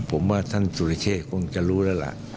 ผมว่าท่านสุริเชษคงจะรู้แล้วล่ะ